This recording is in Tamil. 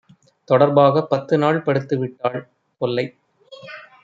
தொடர்பாகப் பத்துநாள் படுத்துவிட்டாள் தொல்லை!